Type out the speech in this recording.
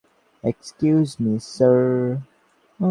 Excuse me, sir.